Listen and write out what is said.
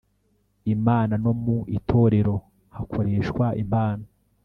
Imana no mu Itorero hakoreshwa impano